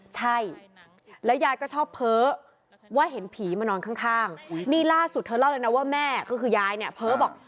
ใช่แล้วยายก็ชอบเพ้อว่าเห็นผีมานอนข้างนี่ล่าสุดเธอเล่าเลยนะว่าแม่ก็คือยายเนี่ยเพ้อบอก